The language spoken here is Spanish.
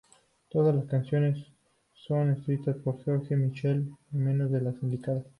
Todas las canciones son escritas por George Michael, menos las indicadas.